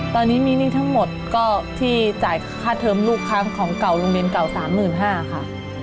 ตอนนี้มีหนี้ทั้งหมดก็ที่จ่ายค่าเทิมลูกค้าของเก่าโรงเรียนเก่า๓๕๐๐บาทค่ะ